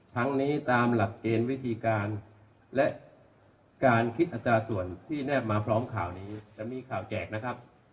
ทั้งนี้ตามหลักเกณฑ์วิธีการและการคิดอัตราส่วนที่แนบมาพร้อมข่าวนี้จะมีข่าวแจกนะครับ